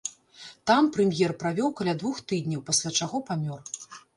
Там прэм'ер правёў каля двух тыдняў, пасля чаго памёр.